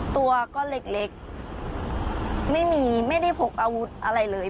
ตัวก็เล็กไม่มีไม่ได้พกอาวุธอะไรเลย